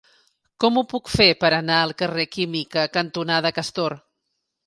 Com ho puc fer per anar al carrer Química cantonada Castor?